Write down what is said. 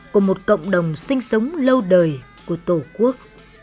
của một cộng đồng sinh sống lâu đời của tổ quốc